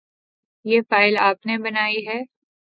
یہ فائل آپ نے بنائی ہے ؟